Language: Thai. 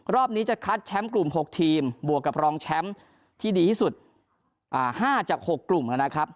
รอบนี้จะคัดแชมป์กลุ่ม๖ทีมบวกกับรองแชมป์ที่ดีที่สุด๕จาก๖กลุ่มนะครับ